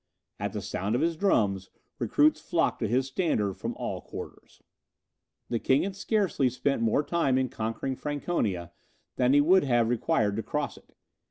At the sound of his drums, recruits flocked to his standard from all quarters. The king had scarcely spent more time in conquering Franconia, than he would have required to cross it.